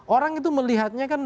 orang itu melihatnya kan